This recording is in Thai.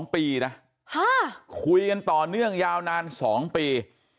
๒ปีนะคุยกันต่อเนื่องยาวนาน๒ปี